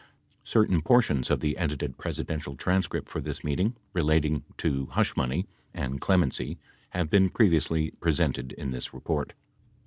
56 Certain portions of the edited Presidential transcript for this meet ing relating to hush money and clemency have been previously pre sented in this report.